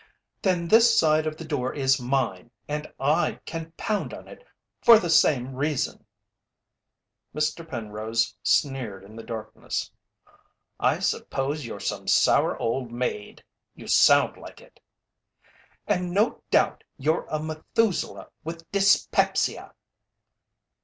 "Then this side of the door is mine and I can pound on it, for the same reason." Mr. Penrose sneered in the darkness: "I suppose you're some sour old maid you sound like it." "And no doubt you're a Methuselah with dyspepsia!"